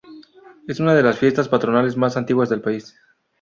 Es una de las fiestas patronales más antiguas del país.